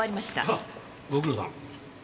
ああご苦労さん。